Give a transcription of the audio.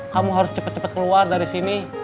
kamu harus cepat cepat keluar dari sini